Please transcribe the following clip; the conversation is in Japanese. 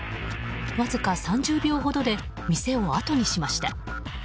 わずか３０秒ほどで店をあとにしました。